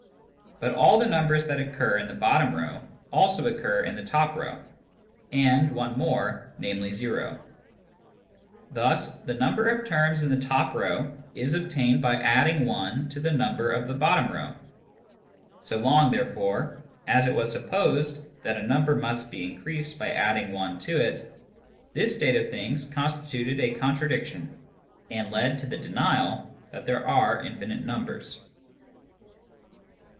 But all the numbers that occur in the bottom row also occur in the top Digitized by Google THE POSITIVE THEORY OF INFINITY 191 row, and one more, namely o ; thus the number of terms in the top row is obtained by adding one to the number of the bottom row. So long, therefore, as it was supposed that a number must be increased by adding i to it, this state of things constituted a con tradiction, and led to the denial that there are infinite numbers.